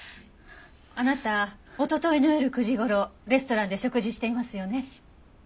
あなたおとといの夜９時頃レストランで食事していますよね？